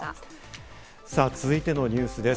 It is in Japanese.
続いてのニュースです。